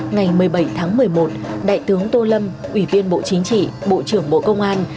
ngày một mươi bảy tháng một mươi một đại tướng tô lâm ủy viên bộ chính trị bộ trưởng bộ công an